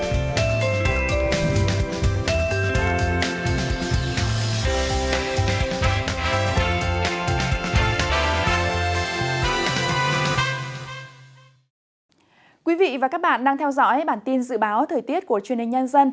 thưa quý vị và các bạn đang theo dõi bản tin dự báo thời tiết của truyền hình nhân dân